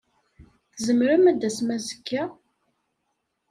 Tzemrem ad d-tasem azekka?